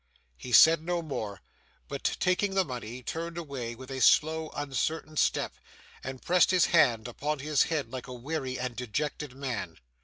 He said no more, but taking the money turned away with a slow, uncertain step, and pressed his hand upon his head like a weary and dejected man.